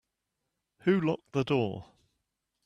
Who locked the door?